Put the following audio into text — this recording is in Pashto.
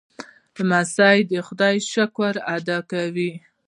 لمسی د خدای شکر ادا کوي.